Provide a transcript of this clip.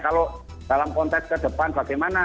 kalau dalam konteks ke depan bagaimana